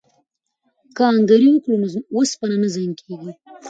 که آهنګري وکړو نو اوسپنه نه زنګ کیږي.